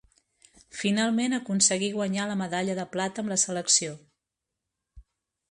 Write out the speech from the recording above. Finalment aconseguí guanyar la medalla de plata amb la selecció.